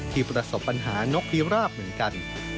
ประสบปัญหานกพิราบเหมือนกัน